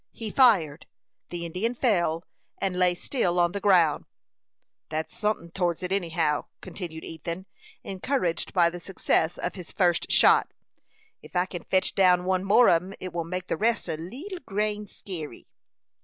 He fired; the Indian fell, and lay still on the ground. "That's sunthin' towards it, anyhow," continued Ethan, encouraged by the success of his first shot. "Ef I kin fetch down one more on 'em, it will make the rest a leetle grain skeery."